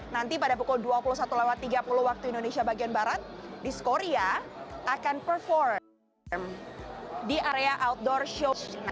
nanti pada pukul dua puluh satu tiga puluh waktu indonesia bagian barat discoria akan perform di area outdoor show